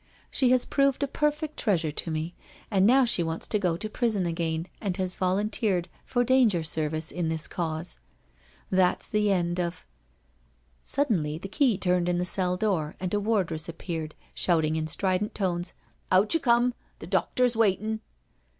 She has proved a perfect treasure to me, and now she wants to go to prison again, and has volunteered for danger service in this Cause. That's the end of " Suddenly the key turned in the cell door and a wardress appeared, shouting in strident tones, " Out you come — ^the doctor's waitin'."